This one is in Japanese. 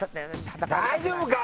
大丈夫か？